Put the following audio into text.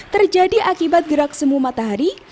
terjadi akibat gerak semu matahari